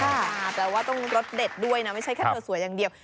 แปลว่าต้องรสเด็ดด้วยนะไม่ใช่แค่เธอสวยอย่างเดียว